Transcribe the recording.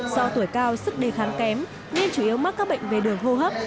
do tuổi cao sức đề kháng kém nên chủ yếu mắc các bệnh về đường hô hấp